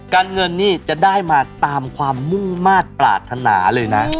การเงินนี่จะได้มาตามความมุ่งมาตรปรารถนาเลยนะ